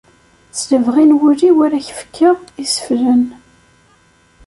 S lebɣi n wul-iw ara ak-fkeɣ iseflen.